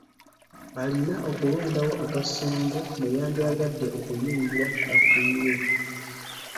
Alina okulondawo akasenge mwe yandyagadde okuyingira afiire.